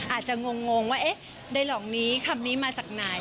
อาจจะงงว่าเอ๊ะใดเหล่านี้คำนี้มาจากไหน